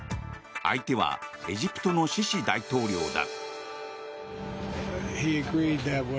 相手はエジプトのシシ大統領だ。